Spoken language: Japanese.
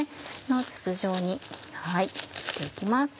筒状にして行きます。